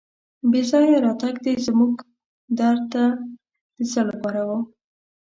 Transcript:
بې ځایه راتګ دې زموږ در ته د څه لپاره و.